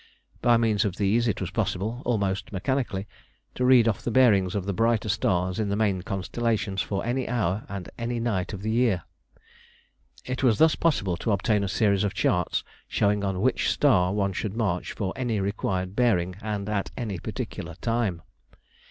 By means of these it was possible, almost mechanically, to read off the bearings of the brighter stars in the main constellations for any hour and any night of the year. It was thus possible to obtain a series of charts showing on which star one should march for any required bearing, and at any particular time.